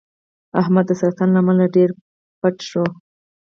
احمد د سرطان له امله ډېر بته شو.